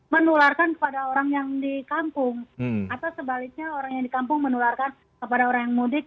menularkan kepada orang yang di kampung atau sebaliknya orang yang di kampung menularkan kepada orang yang mudik